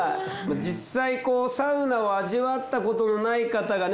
実際サウナを味わったことのない方がね